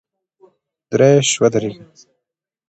درایش ودرېږه !!